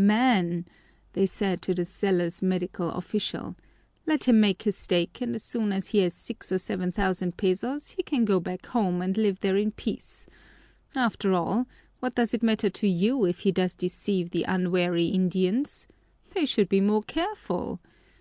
"Man," they said to the zealous medical official, "let him make his stake and as soon as he has six or seven thousand pesos he can go back home and live there in peace. After all, what does it matter to you if he does deceive the unwary Indians? They should be more careful!